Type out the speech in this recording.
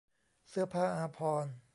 เสื้อผ้าอาภรณ์